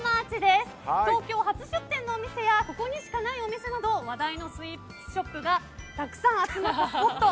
東京初出店のお店やここにしかないお店など話題のスイーツショップがたくさん集まったスポット。